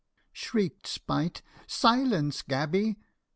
Shrieked Spite, " Silence, gaby !